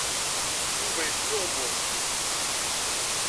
Yuba yesluɣmu.